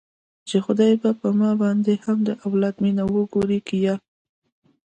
چې خداى به په ما باندې هم د اولاد مينه وګوري که يه.